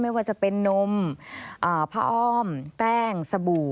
ไม่ว่าจะเป็นนมผ้าอ้อมแป้งสบู่